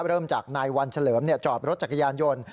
เริ่มจากในวันเฉลิมเนี่ยจอดรถจักรยานยนต์